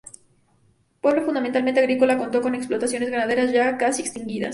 Pueblo fundamentalmente agrícola, contó con explotaciones ganaderas ya casi extinguidas.